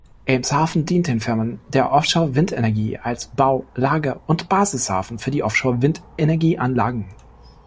Eemshaven dient den Firmen der Offshore-Windenergie als Bau-, Lager- und Basis-Hafen für die Offshore-Windenergieanlagen.